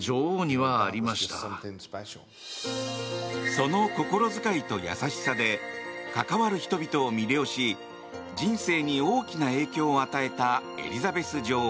その心遣いと優しさで関わる人々を魅了し人生に大きな影響を与えたエリザベス女王。